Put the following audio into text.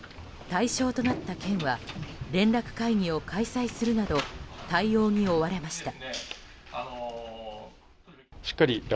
対象となった県は連絡会議を開催するなど対応に追われました。